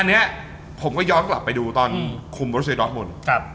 อันเนี้ยผมก็ย้อนกลับไปดูตอนคุมกับรู้สึกให้ดรอดหมด